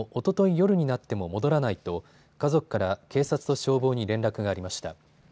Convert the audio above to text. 夜になっても戻らないと家族から警察と消防に連絡がありました。